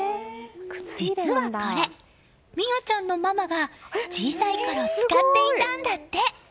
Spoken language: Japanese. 実はこれ、深愛ちゃんのママが小さいころ使っていたんだって！